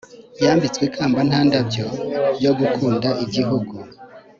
yambitswe ikamba nta ndabyo yo gukunda igihugu